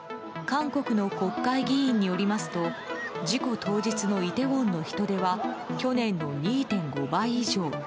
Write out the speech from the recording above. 韓国の国会議員によりますと事故当日のイテウォンの人出は去年の２．５倍以上。